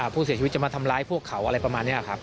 ผู้เสียชีวิตจะมาทำร้ายพวกเขาอะไรประมาณนี้ครับ